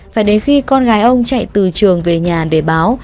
phải đến khi con gái ông chạy từ trường về nhà để báo